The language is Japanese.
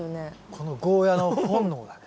このゴーヤーの本能だね。